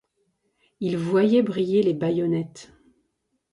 Il voyait briller les bayonnettes.